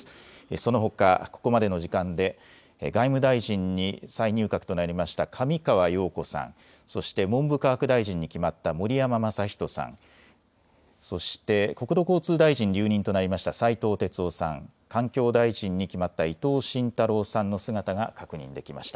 そのほか、ここまでの時間で外務大臣に再入閣となりました上川陽子さん、そして文部科学大臣に決まった盛山正仁さん、そして国土交通大臣、留任となりました斉藤鉄夫さん、環境大臣に決まった伊藤信太郎さんの姿が確認できました。